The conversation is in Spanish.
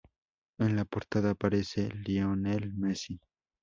En la portada aparece Lionel Messi.